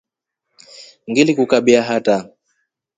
Ngilikukabia hataa.